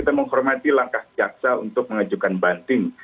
kita menghormati langkah jaksa untuk mengajukan banding